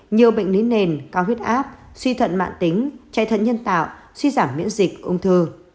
nhiều bệnh lý nền cao huyết áp suy thận mạng tính chạy thận nhân tạo suy giảm miễn dịch ung thư